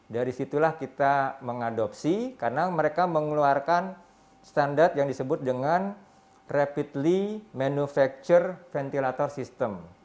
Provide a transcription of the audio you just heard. dari situlah kita mengadopsi karena mereka mengeluarkan standar yang disebut dengan rapidly manufacture ventilator system